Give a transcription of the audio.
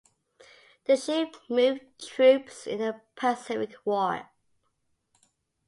The ship moved troops in the Pacific War.